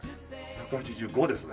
１８５ですね。